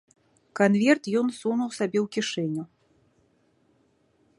Канверт ён сунуў сабе ў кішэню.